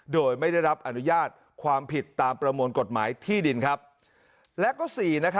โดยไม่ได้รับอนุญาตความผิดตามประมวลกฎหมายที่ดิน